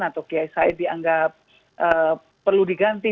atau kiai said dianggap perlu diganti